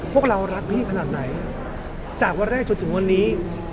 พวกเรารักพี่ขนาดไหนจากวันแรกจนถึงวันนี้